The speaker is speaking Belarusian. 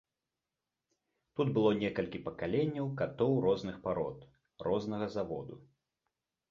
Тут было некалькі пакаленняў катоў розных парод, рознага заводу.